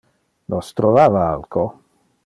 Nos trovava alco.